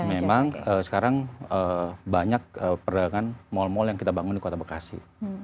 memang sekarang banyak perdagangan mal mal yang kita bangun di kota bekasi